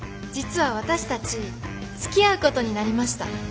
実は私たちつきあうことになりました。